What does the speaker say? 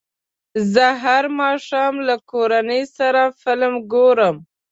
زه هر ماښام له کورنۍ سره فلم ګورم.